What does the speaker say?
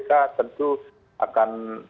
bagi kpk tentu akan mencari